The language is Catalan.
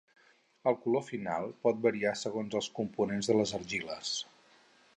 El color final pot variar segons els components de les argiles.